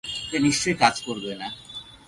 এটা নিশ্চয় কাজ করবে না।